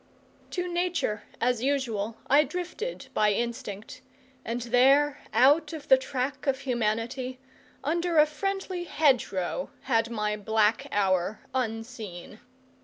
To nature, as usual, I drifted by instinct, and there, out of the track of humanity, under a friendly hedge row had my black hour unseen.